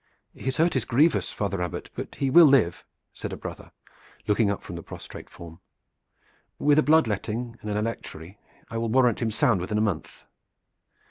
"His hurt is grievous, Father Abbot, but he will live," said a brother, looking up from the prostrate form. "With a blood letting and an electuary, I will warrant him sound within a month."